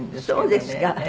そうですか。